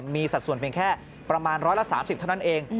มีสัดส่วนเพียงแค่ประมาณ๑๓๐เท่านั้นเอง